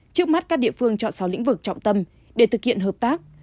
trước mắt các địa phương chọn sáu lĩnh vực trọng tâm để thực hiện hợp tác